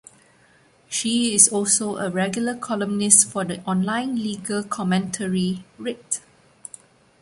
She is also a regular columnist for the online legal commentary "Writ".